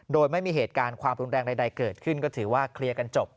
โดยไม่มีเหตุการณ์ความรุนแรงใดเกิดขึ้นก็ถือว่าเคลียร์กันจบ